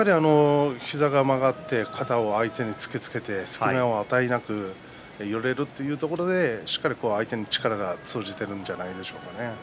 膝が曲がって肩を相手につきつけて相手に寄れるということで相手に力が通じているんじゃないでしょうか。